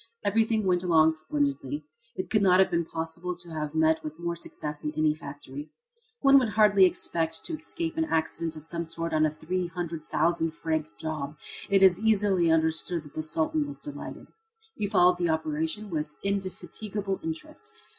Everything went along splendidly. It could not have been possible to have met with more success in any factory. One would hardly expect to escape an accident of some sort on a three hundred thousand franc job. It is easily understood that the Sultan was delighted. He followed the operation with indefatigable interest.